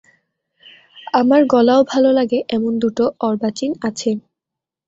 আমার গলাও ভাল লাগে এমন দুটো অর্বাচীন আছে।